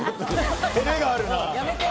照れがあるな。